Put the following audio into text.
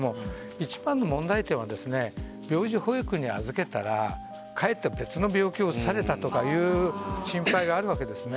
一番の問題点は病児保育に預けたらかえって別の病気を移されたとかという心配があるわけですね。